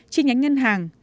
trên nhánh ngân hàng